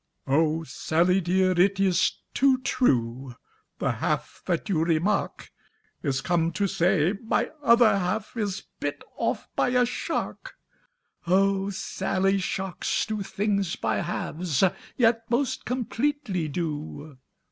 "Oh! Sally dear, it is too true, The half that you remark Is come to say my other half Is bit off by a shark! "Oh! Sally, sharks do things by halves, Yet most completely do!